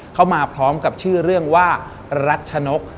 เข้ามาพร้อมกับชื่อเรื่องว่ารัชนก